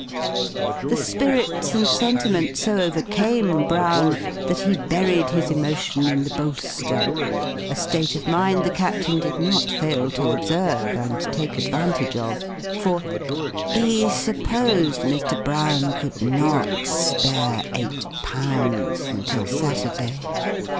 The spirits and sentiment so overcame Brown, that he buried his emotion in the bolster a state of mind the Captain did not fail to observe, and take advantage of; for "he supposed Mr. Brown could not spare £8, until Saturday?"